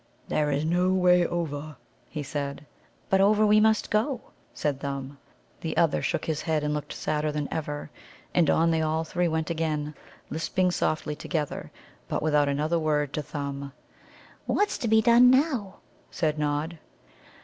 "There is no way over," he said. "But over we must go," said Thumb. The other shook his head, and looked sadder than ever. And on they all three went again, lisping softly together, but without another word to Thumb. "What's to be done now?" said Nod.